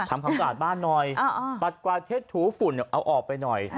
ทำข้ออาจบ้านหน่อยอ่าอ่าปัดกวาดเท็จถูร์ฝุ่นเอาออกไปหน่อย